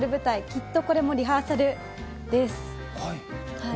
『きっとこれもリハーサル』です。